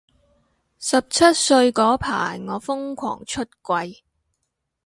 十七歲嗰排我瘋狂出櫃